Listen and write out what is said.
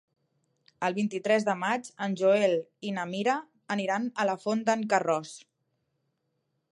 El vint-i-tres de maig en Joel i na Mira aniran a la Font d'en Carròs.